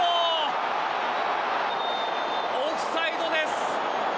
オフサイドです。